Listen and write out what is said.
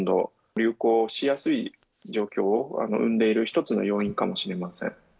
流行しやすい状況を生んでいる一つの要因かもしれません。